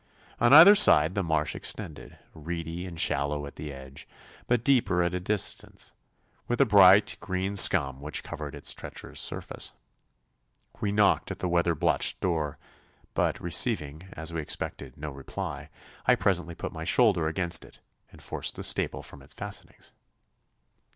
On either side the marsh extended, reedy and shallow at the edge, but deeper at a distance, with a bright green scum which covered its treacherous surface. We knocked at the weather blotched door, but receiving, as we expected, no reply, I presently put my shoulder against it and forced the staple from its fastenings.